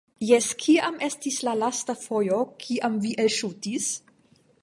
Jes kiam estis la lasta fojo kiam vi elŝutis?